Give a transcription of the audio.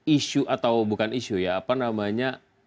isu atau bukan isu ya apa namanya